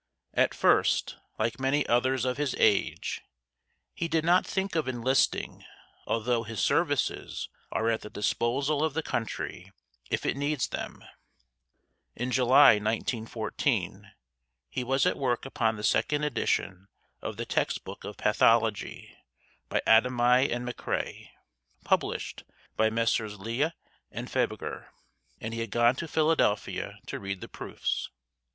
At first, like many others of his age, he did not "think of enlisting", although "his services are at the disposal of the Country if it needs them." In July, 1914, he was at work upon the second edition of the 'Text Book of Pathology' by Adami and McCrae, published by Messrs. Lea and Febiger, and he had gone to Philadelphia to read the proofs.